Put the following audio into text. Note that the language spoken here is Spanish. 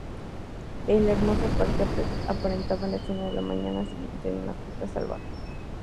El hermoso parque aparentaba la escena de la mañana siguiente a una fiesta salvaje.